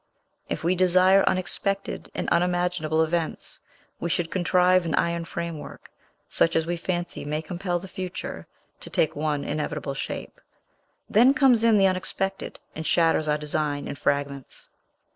If we desire unexpected and unimaginable events, we should contrive an iron framework, such as we fancy may compel the future to take one inevitable shape; then comes in the unexpected, and shatters our design in fragments.